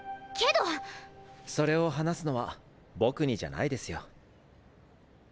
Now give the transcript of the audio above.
それを話すのは「僕に」じゃないですよ。